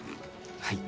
はい。